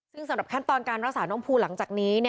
ซึ่งสำหรับขั้นตอนการรักษาน้องภูหลังจากนี้